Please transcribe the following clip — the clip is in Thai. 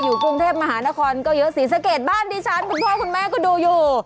กรุงเทพมหานครก็เยอะศรีสะเกดบ้านดิฉันคุณพ่อคุณแม่ก็ดูอยู่